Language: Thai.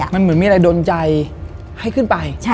มันเหมือนมีอะไรดนใจให้ขึ้นไป